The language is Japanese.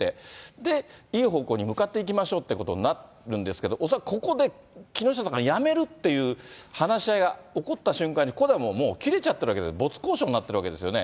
で、いい方向に向かっていきましょうということになるんですけれども、恐らくここで、木下さんが辞めるっていう話し合いが起こった瞬間に、ここでもう切れちゃってるわけで、没交渉になってるわけですよね。